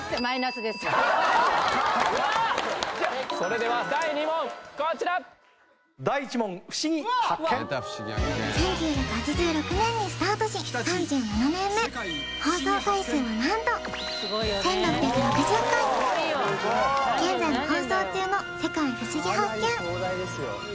それでは第２問こちら１９８６年にスタートし３７年目何と現在も放送中の「世界ふしぎ発見！」